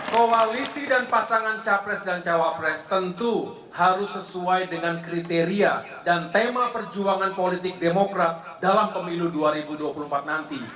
koalisi dan pasangan capres dan cawapres tentu harus sesuai dengan kriteria dan tema perjuangan politik demokrat dalam pemilu dua ribu dua puluh empat nanti